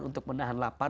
untuk menahan lapar